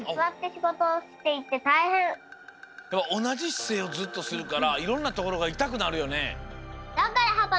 おなじしせいをずっとするからいろんなところがいたくなるよね。